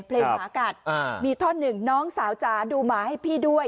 หมากัดมีท่อนหนึ่งน้องสาวจ๋าดูหมาให้พี่ด้วย